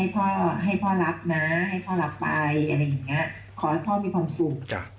ขอให้พ่อดูแลหนู